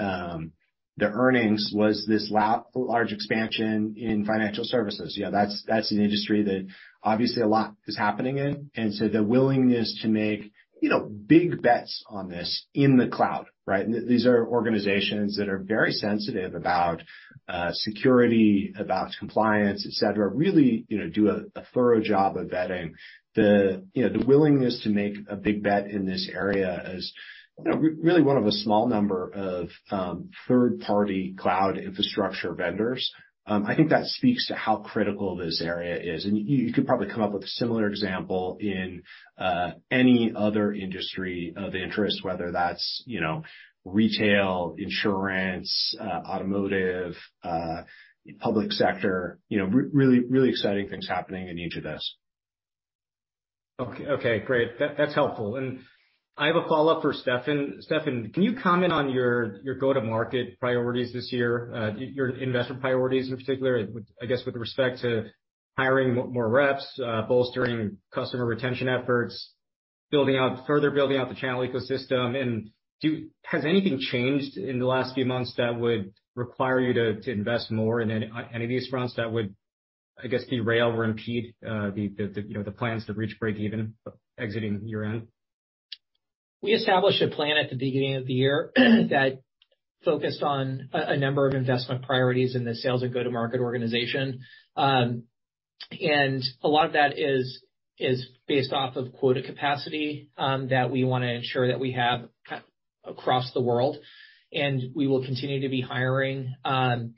the earnings was this large expansion in financial services. Yeah, that's an industry that obviously a lot is happening in. So the willingness to make, you know, big bets on this in the cloud, right? These are organizations that are very sensitive about security, about compliance, et cetera, really, you know, do a thorough job of vetting. The willingness to make a big bet in this area is, you know, really one of a small number of third-party cloud infrastructure vendors. I think that speaks to how critical this area is. You, you could probably come up with a similar example in any other industry of interest, whether that's, you know, retail, insurance, automotive, public sector. You know, really exciting things happening in each of those. Okay. Okay, great. That's helpful. I have a follow-up for Steffan. Steffan, can you comment on your go-to-market priorities this year, your investment priorities in particular, I guess, with respect to hiring more reps, bolstering customer retention efforts, further building out the channel ecosystem? Has anything changed in the last few months that would require you to invest more in any of these fronts that would, I guess, derail or impede, the, you know, the plans to reach break even exiting year-end? We established a plan at the beginning of the year that focused on a number of investment priorities in the sales and go-to-market organization. A lot of that is based off of quota capacity that we wanna ensure that we have across the world, and we will continue to be hiring in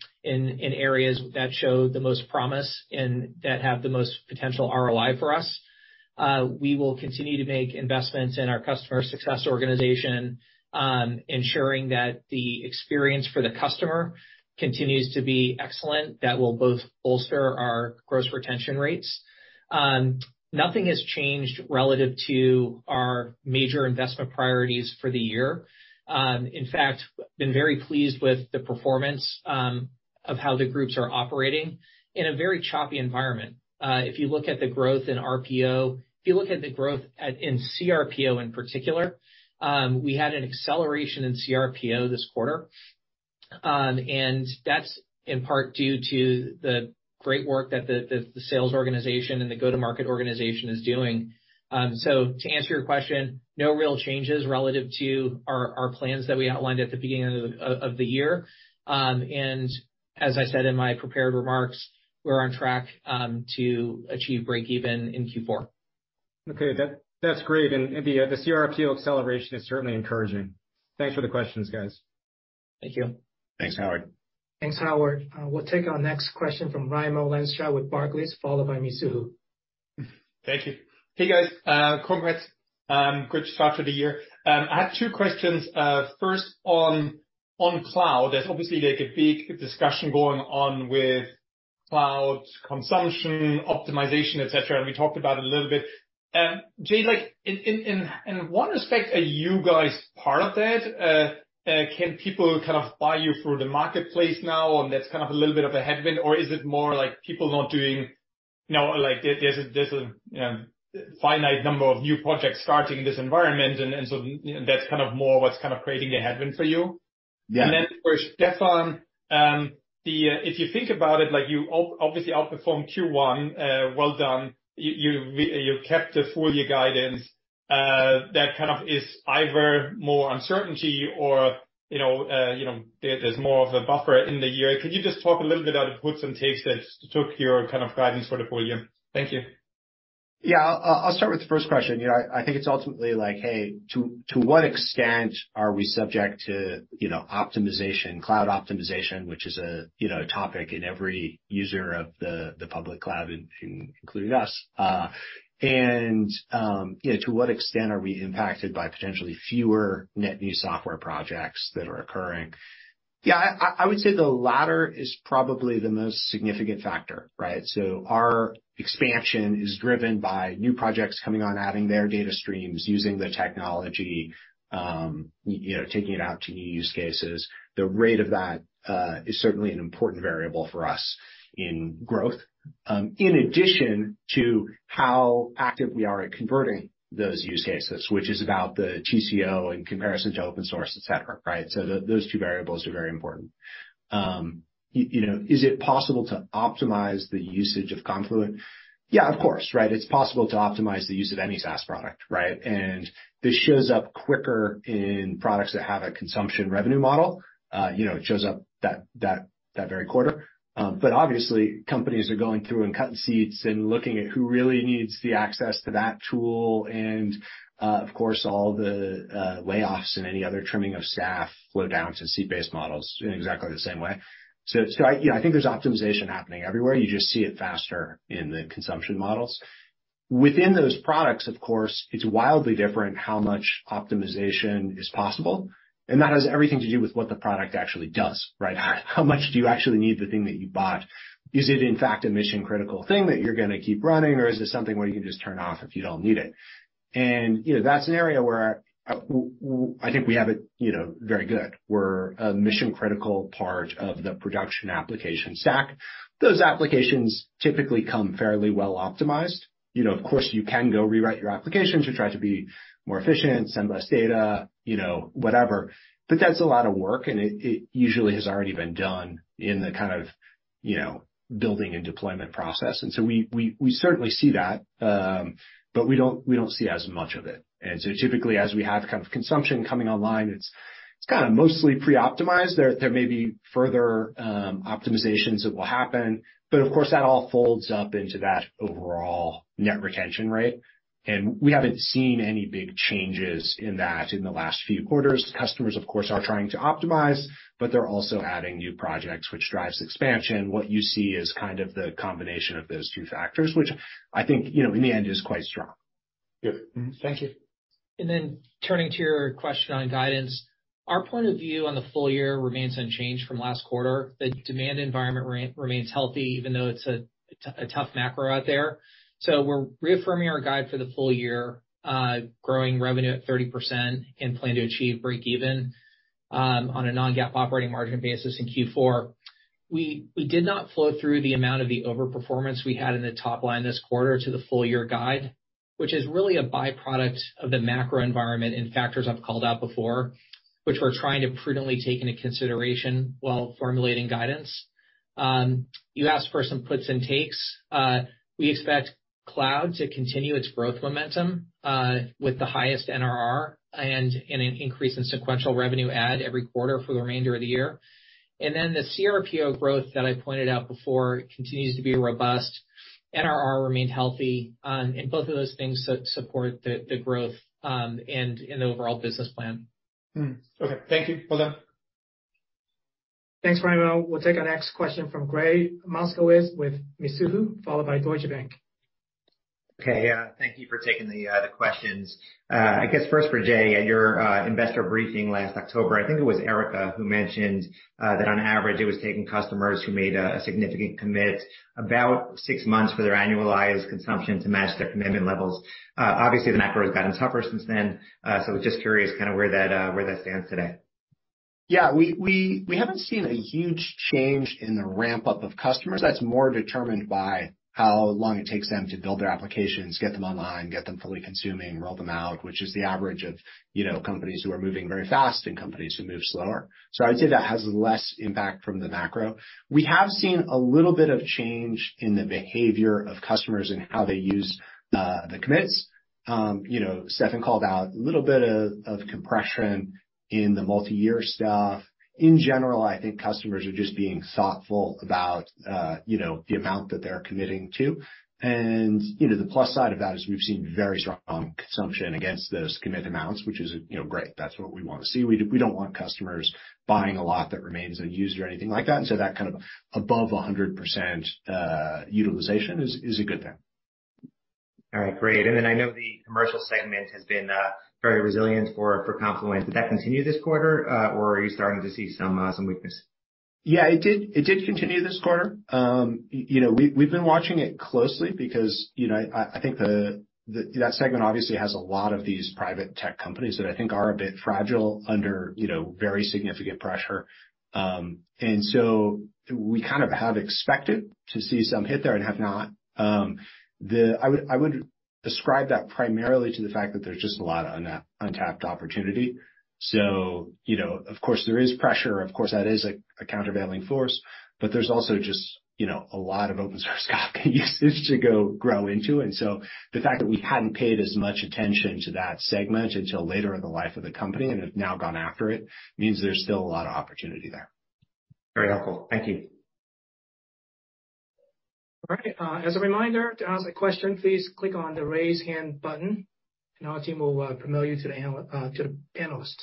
areas that show the most promise and that have the most potential ROI for us. We will continue to make investments in our customer success organization, ensuring that the experience for the customer continues to be excellent, that will both bolster our gross retention rates. Nothing has changed relative to our major investment priorities for the year. In fact, been very pleased with the performance of how the groups are operating in a very choppy environment. If you look at the growth in RPO, if you look at the growth in CRPO in particular, we had an acceleration in CRPO this quarter. That's in part due to the great work that the sales organization and the go-to-market organization is doing. To answer your question, no real changes relative to our plans that we outlined at the beginning of the year. As I said in my prepared remarks, we're on track to achieve break even in Q4. Okay. That's great. The CRPO acceleration is certainly encouraging. Thanks for the questions, guys. Thank you. Thanks, Howard. Thanks, Howard. We'll take our next question from Raimo Lenschow with Barclays, followed by Mizuho. Thank you. Hey, guys, congrats. Good start to the year. I have two questions, first on cloud. There's obviously like a big discussion going on About consumption, optimization, et cetera, and we talked about it a little bit. Jay, like, in what respect are you guys part of that? Can people kind of buy you through the marketplace now and that's kind of a little bit of a headwind? Or is it more like people not doing... You know, like, there's a finite number of new projects starting in this environment and so, you know, that's kind of more what's kind of creating the headwind for you. Yeah. For Steffan, if you think about it, like you obviously outperformed Q1, well done. You kept the full year guidance, that kind of is either more uncertainty or, you know, there's more of a buffer in the year. Could you just talk a little bit about the puts and takes that took your kind of guidance for the full year? Thank you. Yeah. I'll start with the first question. You know, I think it's ultimately like, hey, to what extent are we subject to, you know, optimization, cloud optimization, which is a, you know, topic in every user of the public cloud, including us. You know, to what extent are we impacted by potentially fewer net new software projects that are occurring? Yeah. I would say the latter is probably the most significant factor, right? Our expansion is driven by new projects coming on, adding their data streams, using the technology, you know, taking it out to new use cases. The rate of that is certainly an important variable for us in growth, in addition to how active we are at converting those use cases, which is about the TCO in comparison to open source, et cetera, right? Those two variables are very important. You know, is it possible to optimize the usage of Confluent? Yeah, of course, right? It's possible to optimize the use of any SaaS product, right? This shows up quicker in products that have a consumption revenue model. You know, it shows up that very quarter. Obviously, companies are going through and cutting seats and looking at who really needs the access to that tool and, of course, all the layoffs and any other trimming of staff flow down to seat-based models in exactly the same way. You know, I think there's optimization happening everywhere. You just see it faster in the consumption models. Within those products, of course, it's wildly different how much optimization is possible, and that has everything to do with what the product actually does, right? How much do you actually need the thing that you bought? Is it, in fact, a mission-critical thing that you're gonna keep running, or is this something where you can just turn off if you don't need it? You know, that's an area where I think we have it, you know, very good. We're a mission-critical part of the production application stack. Those applications typically come fairly well optimized. You know, of course, you can go rewrite your applications to try to be more efficient, send less data, you know, whatever. That's a lot of work, and it usually has already been done in the kind of, you know, building and deployment process. We certainly see that, but we don't, we don't see as much of it. Typically, as we have kind of consumption coming online, it's kind of mostly pre-optimized. There may be further optimizations that will happen, but of course, that all folds up into that overall net retention rate. We haven't seen any big changes in that in the last few quarters. Customers, of course, are trying to optimize, but they're also adding new projects, which drives expansion. What you see is kind of the combination of those two factors, which I think, you know, in the end is quite strong. Good. Thank you. Turning to your question on guidance, our point of view on the full year remains unchanged from last quarter. The demand environment remains healthy, even though it's a tough macro out there. We're reaffirming our guide for the full year, growing revenue at 30% and plan to achieve breakeven on a non-GAAP operating margin basis in Q4. We did not flow through the amount of the overperformance we had in the top line this quarter to the full year guide, which is really a byproduct of the macro environment and factors I've called out before, which we're trying to prudently take into consideration while formulating guidance. You asked for some puts and takes. We expect cloud to continue its growth momentum, with the highest NRR and an increase in sequential revenue add every quarter for the remainder of the year. The CRPO growth that I pointed out before continues to be robust. NRR remained healthy, and both of those things support the growth, and in the overall business plan. Okay. Thank you. Well done. Thanks, Raimo. We'll take our next question from Gregg Moskowitz with Mizuho, followed by Deutsche Bank. Okay. Thank you for taking the questions. I guess first for Jay. At your investor briefing last October, I think it was Erica who mentioned that on average it was taking customers who made a significant commit about 6 months for their annualized consumption to match their commitment levels. Obviously the macro has gotten tougher since then. Just curious kinda where that where that stands today. Yeah. We haven't seen a huge change in the ramp-up of customers. That's more determined by how long it takes them to build their applications, get them online, get them fully consuming, roll them out, which is the average of, you know, companies who are moving very fast and companies who move slower. I'd say that has less impact from the macro. We have seen a little bit of change in the behavior of customers and how they use the commits. You know, Steffan called out a little bit of compression in the multiyear stuff. In general, I think customers are just being thoughtful about, you know, the amount that they're committing to. You know, the plus side of that is we've seen very strong consumption against those commit amounts, which is, you know, great. That's what we wanna see. We don't want customers buying a lot that remains unused or anything like that. That kind of above a 100% utilization is a good thing. All right, great. I know the commercial segment has been very resilient for Confluent. Did that continue this quarter, or are you starting to see some weakness? Yeah, it did, it did continue this quarter. You know, we've been watching it closely because, you know, I think that segment obviously has a lot of these private tech companies that I think are a bit fragile under, you know, very significant pressure. We kind of have expected to see some hit there and have not. I would, I would ascribe that primarily to the fact that there's just a lot of untapped opportunity. You know, of course, there is pressure. Of course, that is a countervailing force, but there's also just, you know, a lot of open source Kafka uses to go grow into. The fact that we hadn't paid as much attention to that segment until later in the life of the company and have now gone after it, means there's still a lot of opportunity there. Very helpful. Thank you. All right, as a reminder, to ask a question, please click on the Raise Hand button, and our team will promote you to the panelists.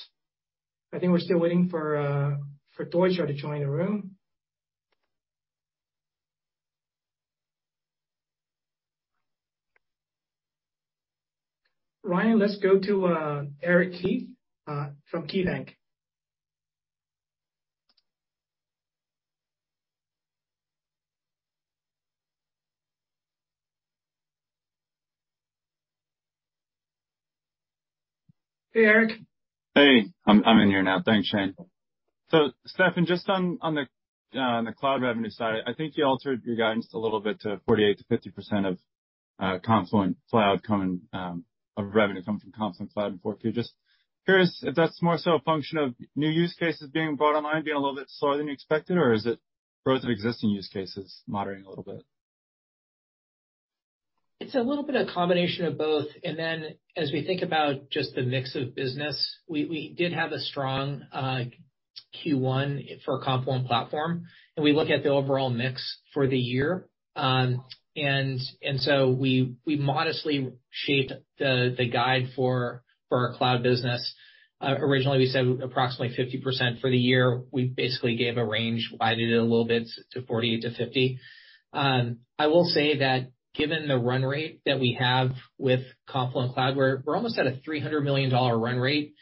I think we're still waiting for Deutsche to join the room. Ryan, let's go to Eric Heath from KeyBank. Hey, Eric. Hey, I'm in here now. Thanks, Shane. Steffan, just on the cloud revenue side, I think you altered your guidance a little bit to 48%-50% of Confluent Cloud coming of revenue coming from Confluent Cloud in fourth quarter. Just curious if that's more so a function of new use cases being brought online being a little bit slower than you expected, or is it growth of existing use cases moderating a little bit? It's a little bit of combination of both. As we think about just the mix of business, we did have a strong Q1 for our Confluent Platform, and we look at the overall mix for the year. We modestly shaped the guide for our cloud business. Originally, we said approximately 50% for the year. We basically gave a range, widened it a little bit to 48%-50%. I will say that given the run rate that we have with Confluent Cloud, we're almost at a $300 million run rate,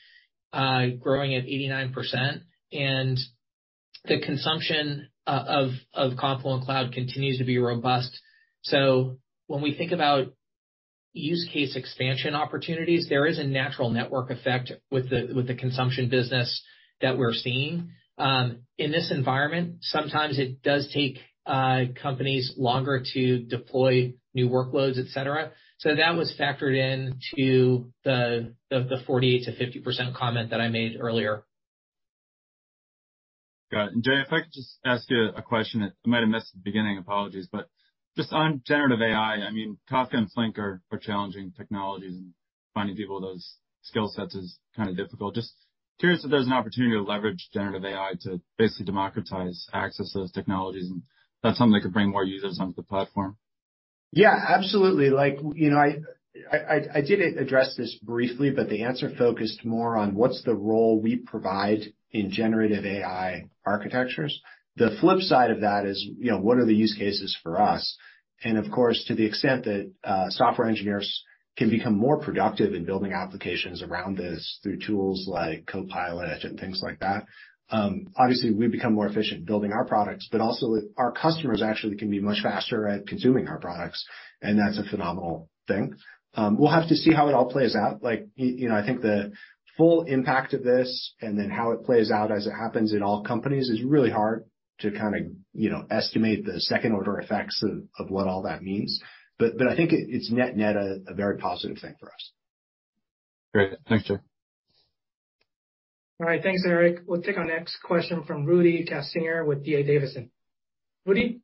growing at 89%. The consumption of Confluent Cloud continues to be robust. When we think about use case expansion opportunities, there is a natural network effect with the consumption business that we're seeing. In this environment, sometimes it does take, companies longer to deploy new workloads, et cetera. That was factored into the 48%-50% comment that I made earlier. Got it. Jay, if I could just ask you a question. I might have missed the beginning. Apologies. Just on generative AI, I mean, Kafka and Flink are challenging technologies, and finding people with those skill sets is kind of difficult. Just curious if there's an opportunity to leverage generative AI to basically democratize access to those technologies, and if that's something that could bring more users onto the platform. Absolutely. You know, I did address this briefly, the answer focused more on what's the role we provide in generative AI architectures. The flip side of that is, you know, what are the use cases for us? Of course, to the extent that software engineers can become more productive in building applications around this through tools like Copilot and things like that, obviously we become more efficient building our products, also our customers actually can be much faster at consuming our products, and that's a phenomenal thing. We'll have to see how it all plays out. You know, I think the full impact of this and then how it plays out as it happens in all companies is really hard to kind of, you know, estimate the second-order effects of what all that means. I think it's net-net a very positive thing for us. Great. Thanks, Jay. All right. Thanks, Eric. We'll take our next question from Rudy Kessinger with D.A. Davidson. Rudy?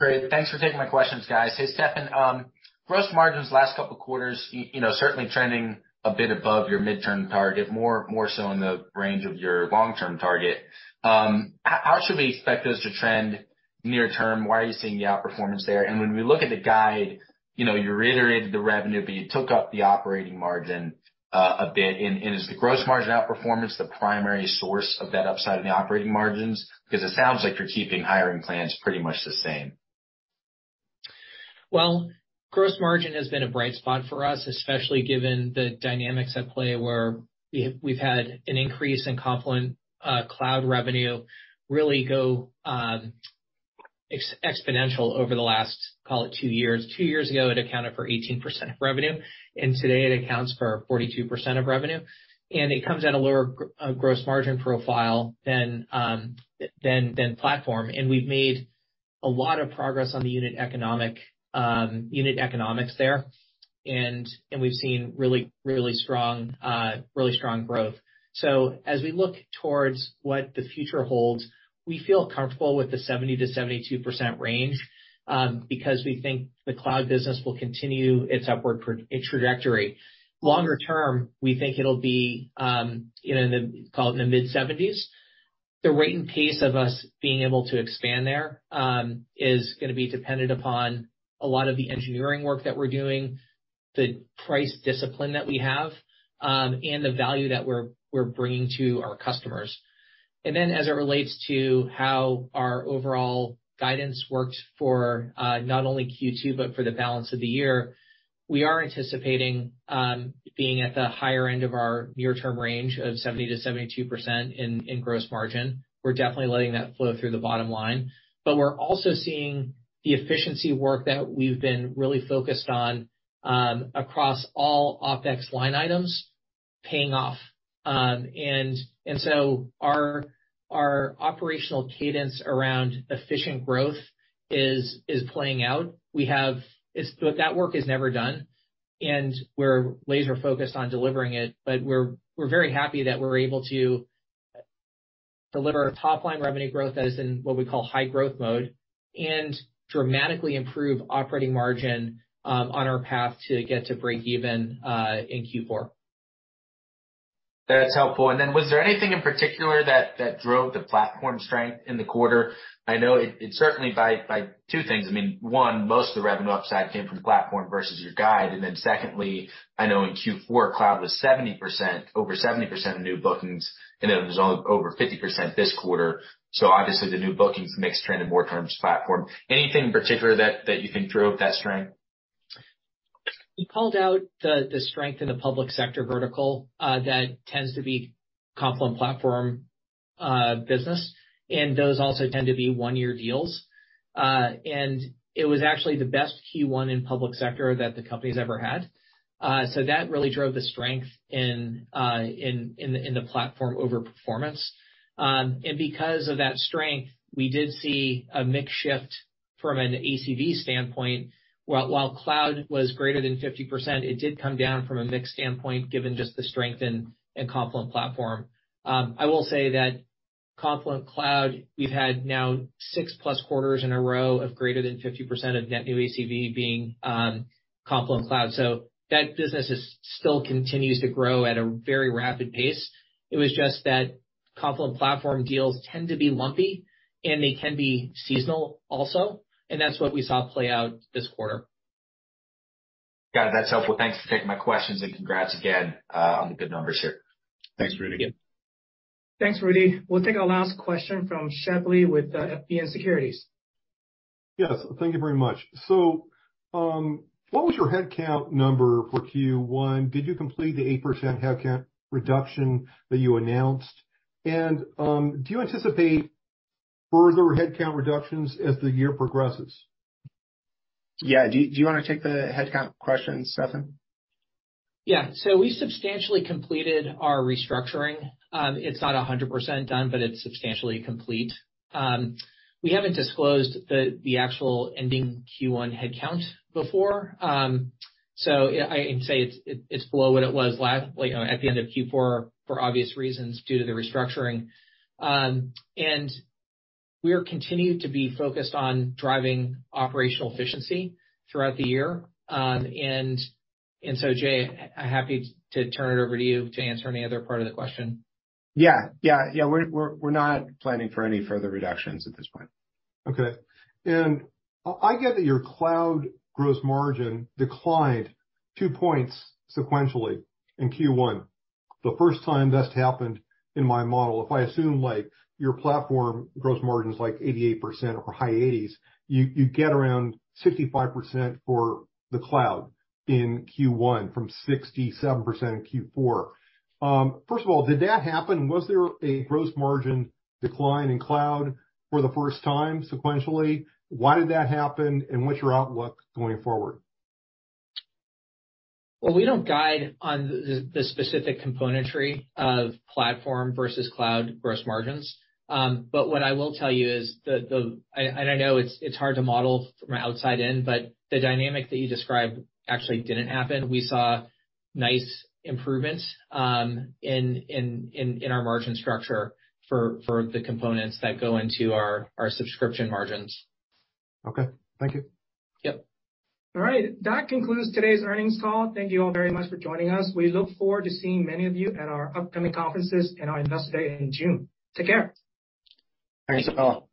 Great. Thanks for taking my questions, guys. Hey, Steffan. Gross margins last couple quarters, you know, certainly trending a bit above your midterm target, more so in the range of your long-term target. How should we expect those to trend near term? Why are you seeing the outperformance there? When we look at the guide, you know, you reiterated the revenue, but you took up the operating margin a bit. Is the gross margin outperformance the primary source of that upside in the operating margins? Because it sounds like you're keeping hiring plans pretty much the same. Well, gross margin has been a bright spot for us, especially given the dynamics at play, where we've had an increase in Confluent Cloud revenue really go exponential over the last, call it 2 years. 2 years ago, it accounted for 18% of revenue, today it accounts for 42% of revenue. It comes at a lower gross margin profile than Confluent Platform. We've made a lot of progress on the unit economics there. We've seen really strong growth. As we look towards what the future holds, we feel comfortable with the 70%-72% range, because we think the cloud business will continue its upward trajectory. Longer term, we think it'll be, you know, in the, call it in the mid-70s. The rate and pace of us being able to expand there, is gonna be dependent upon a lot of the engineering work that we're doing, the price discipline that we have, and the value that we're bringing to our customers. Then as it relates to how our overall guidance works for, not only Q2 but for the balance of the year, we are anticipating, being at the higher end of our near-term range of 70%-72% in gross margin. We're definitely letting that flow through the bottom line. We're also seeing the efficiency work that we've been really focused on, across all OpEx line items paying off. So our operational cadence around efficient growth is playing out. But that work is never done, and we're laser focused on delivering it. But we're very happy that we're able to deliver our top line revenue growth as in what we call high growth mode, and dramatically improve operating margin on our path to get to breakeven in Q4. That's helpful. Then was there anything in particular that drove the platform strength in the quarter? I know it's certainly by two things. I mean, one, most of the revenue upside came from platform versus your guide. Secondly, I know in Q4, cloud was 70%, over 70% of new bookings, and it was over 50% this quarter. Obviously the new bookings mix trended more terms platform. Anything in particular that you think drove that strength? We called out the strength in the public sector vertical that tends to be Confluent Platform business, and those also tend to be one-year deals. It was actually the best Q1 in public sector that the company's ever had. That really drove the strength in the platform over performance. Because of that strength, we did see a mix shift from an ACV standpoint. While cloud was greater than 50%, it did come down from a mix standpoint, given just the strength in Confluent Platform. I will say that Confluent Cloud, we've had now 6+ quarters in a row of greater than 50% of net new ACV being Confluent Cloud. That business still continues to grow at a very rapid pace. It was just that Confluent Platform deals tend to be lumpy, they can be seasonal also. That's what we saw play out this quarter. Got it. That's helpful. Thanks for taking my questions, congrats again, on the good numbers here. Thanks, Rudy. Thanks, Rudy. We'll take our last question from Shelby with FBN Securities. Yes. Thank you very much. What was your headcount number for Q1? Did you complete the 8% headcount reduction that you announced? Do you anticipate further headcount reductions as the year progresses? Yeah. Do you wanna take the headcount question, Steffan? Yeah. We substantially completed our restructuring. It's not 100% done, but it's substantially complete. We haven't disclosed the actual ending Q1 headcount before. I can say it's below what it was last, you know, at the end of Q4 for obvious reasons, due to the restructuring. We are continued to be focused on driving operational efficiency throughout the year. Jay, happy to turn it over to you to answer any other part of the question. Yeah. Yeah. Yeah. We're not planning for any further reductions at this point. I get that your cloud gross margin declined 2 points sequentially in Q1. The first time that's happened in my model, if I assume, like, your platform gross margin's like 88% or high eighties, you get around 65% for the cloud in Q1 from 67% in Q4. First of all, did that happen? Was there a gross margin decline in cloud for the first time sequentially? Why did that happen? What's your outlook going forward? Well, we don't guide on the specific componentry of platform versus cloud gross margins. What I will tell you is I know it's hard to model from an outside in, but the dynamic that you described actually didn't happen. We saw nice improvements in our margin structure for the components that go into our subscription margins. Okay. Thank you. Yep. All right. That concludes today's earnings call. Thank you all very much for joining us. We look forward to seeing many of you at our upcoming conferences and our investor day in June. Take care. Thanks, all.